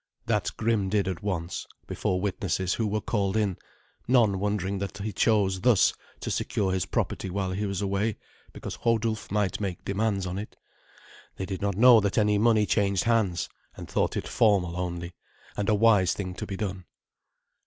That Grim did at once, before witnesses who were called in, none wondering that he chose thus to secure his property while he was away, because Hodulf might make demands on it. They did not know that any money changed hands, and thought it formal only, and a wise thing to be done.